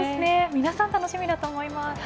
皆さん楽しみだと思います。